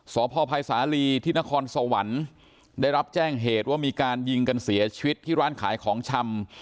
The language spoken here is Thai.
สพภัยสาลีที่นครสวรรค์ได้รับแจ้งเหตุว่ามีการยิงกันเสียชีวิตที่ร้านขายของชำ